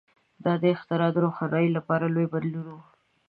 • دا اختراع د روښنایۍ لپاره لوی بدلون و.